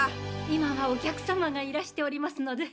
今はお客様がいらしておりますので。